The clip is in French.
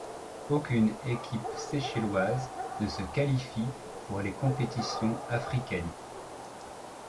Aucune équipe seychelloise ne se qualifie pour les compétitions africaines.